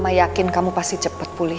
aku yakin kamu pasti cepat pulih